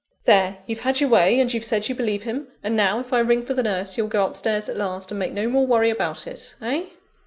There! you've had your way, and you've said you believe him; and now, if I ring for the nurse, you'll go upstairs at last, and make no more worry about it Eh?"